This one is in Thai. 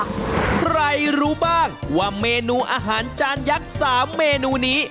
ใครรู้บ้างว่าเมนูอาหารจานยักษ์๓เมนูนี้